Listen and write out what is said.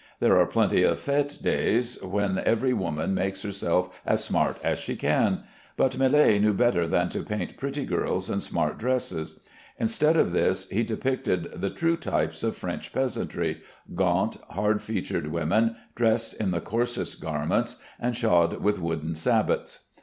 There are plenty of fête days when every woman makes herself as smart as she can; but Millet knew better than to paint pretty girls and smart dresses. Instead of this, he depicted the true types of French peasantry, gaunt, hard featured women, dressed in the coarsest garments, and shod with wooden sabots.